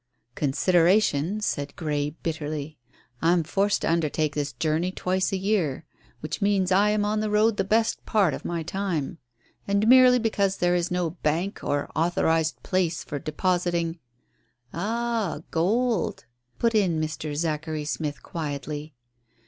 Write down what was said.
"Consideration," said Grey bitterly. "I'm forced to undertake this journey twice a year. Which means I am on the road the best part of my time. And merely because there is no bank or authorized place for depositing " "Ah, gold," put in Mr. Zachary Smith quietly.